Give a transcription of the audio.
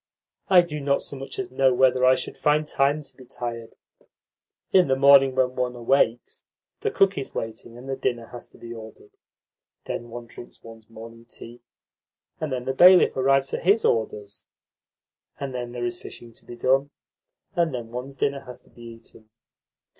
I do not so much as know whether I should find time to be tired. In the morning, when one awakes, the cook is waiting, and the dinner has to be ordered. Then one drinks one's morning tea, and then the bailiff arrives for HIS orders, and then there is fishing to be done, and then one's dinner has to be eaten.